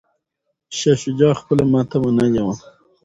شاه شجاع خپله ماته منلې وه.